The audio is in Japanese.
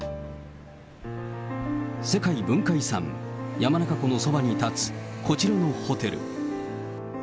世界文化遺産、山中湖のそばに建つこちらのホテル。